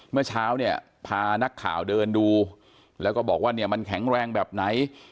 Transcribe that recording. เมื่อเช้าเนี่ยพานักข่าวเดินดูแล้วก็บอกว่าเนี่ยมันแข็งแรงแบบไหน